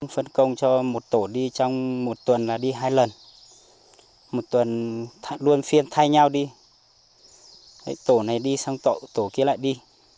phân công cho một tổ đi trong một tuần là đi hai lần một tuần luôn phiên thay nhau đi tổ này đi sang tổ kia lại đi